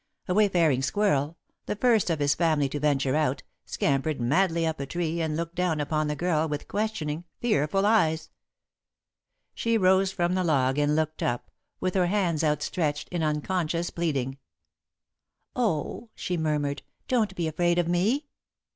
A wayfaring squirrel, the first of his family to venture out, scampered madly up a tree and looked down upon the girl with questioning, fearful eyes. She rose from the log and looked up, with her hands outstretched in unconscious pleading. [Sidenote: He Comes] "Oh," she murmured, "don't be afraid of me!"